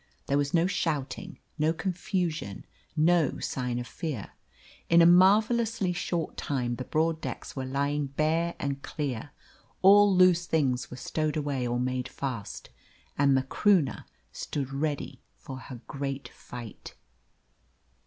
There was no shouting, no confusion, no sign of fear. In a marvellously short time the broad decks were lying bare and clear, all loose things were stowed away or made fast, and the Croonah stood ready for her great fight.